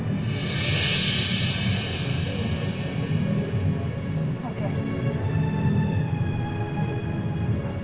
aku gak akan ada rahasia lagi